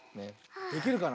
できるかな？